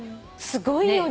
すごいよね。